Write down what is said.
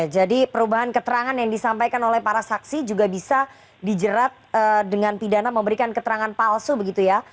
jadi perubahan keterangan yang disampaikan oleh para saksi juga bisa dijerat dengan pidana memberikan keterangan palsu begitu ya